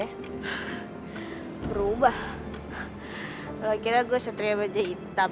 berubah lo kira gue setria baju hitam